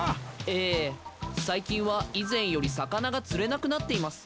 ええ最近は以前より魚が釣れなくなっています。